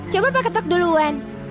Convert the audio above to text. coba pak katak duluan